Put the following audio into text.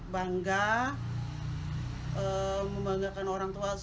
bangga membanggakan orang tua